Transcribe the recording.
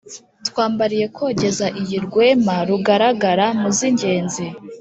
twambariye kogeza iyi rwema rugaragara mu z'ingenzi ;